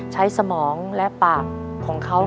สมองและปากของเขา